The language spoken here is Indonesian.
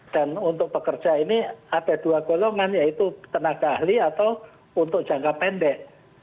dan untuk pekerja ini ada dua golongan yaitu tenaga ahli atau untuk jangka pendek